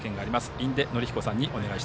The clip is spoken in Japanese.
印出順彦さんです。